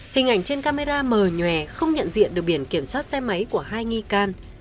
hình ảnh trên camera mờ nhòe không nhận diện được biển kiểm soát xe máy của hai nghi can